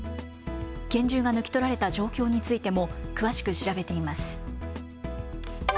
拳銃が抜き取られた状況についても詳しく調べています。